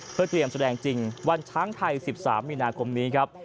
เพื่อเตรียมแสดงจริงวันช้างไทย๑๓มีนาคมนี้ครับ